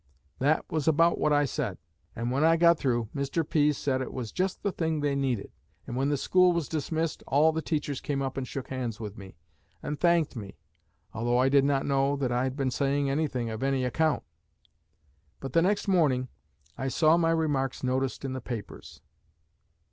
That was about what I said. And when I got through, Mr. Pease said it was just the thing they needed. And when the school was dismissed, all the teachers came up and shook hands with me, and thanked me; although I did not know that I had been saying anything of any account. But the next morning I saw my remarks noticed in the papers.'